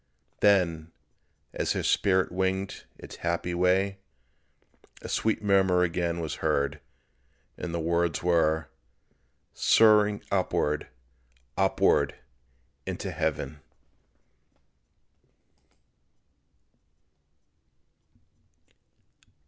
Then, as her spirit winged its happy way, a sweet murmur again was heard, and the words were: "Soaring upward, upward into Heaven."